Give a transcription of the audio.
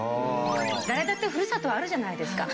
誰だってふるさとはあるじゃないですか。